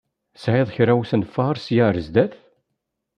Tesεiḍ kra usenfaṛ ssya ɣer zzat?